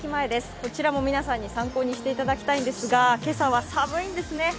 こちらも皆さんに参考にしていただきたいんですが、今朝は寒いんですね。